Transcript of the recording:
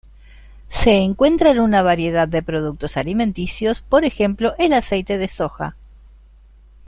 Se encuentra en una variedad de productos alimenticios, por ejemplo, el aceite de soja.